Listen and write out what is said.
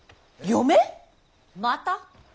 また？